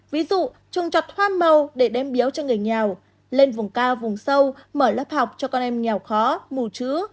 ví dụ trùng trọt hoa màu để đem biếu cho người nhé